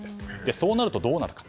そうなるとどうなるか。